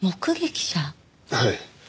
はい。